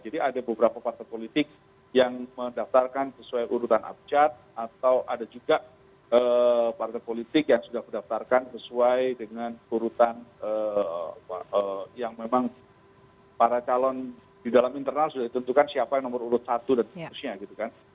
jadi ada beberapa partai politik yang mendaftarkan sesuai urutan abjad atau ada juga partai politik yang sudah berdaftarkan sesuai dengan urutan yang memang para calon di dalam internal sudah ditentukan siapa yang nomor urut satu dan seterusnya gitu kan